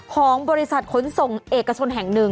ของบริษัทขนส่งเอกชนแห่งหนึ่ง